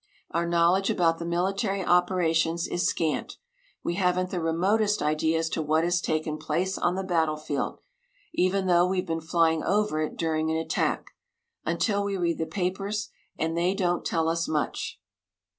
Our knowledge about the military operations is scant. We haven't the remotest idea as to what has taken place on the battlefield even though we've been flying over it during an attack until we read the papers; and they don't tell us much.